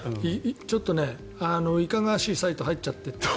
ちょっとね、いかがわしいサイトに入っちゃって。